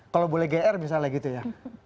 kalau boleh gr misalnya gitu ya